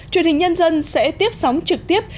truyền hình nhân dân sẽ tiếp sóng trực tiếp